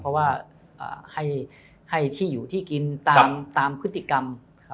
เพราะว่าให้ที่อยู่ที่กินตามพฤติกรรม